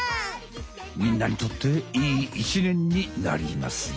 みんなにとっていい１ねんになりますように！